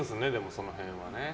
その辺はね。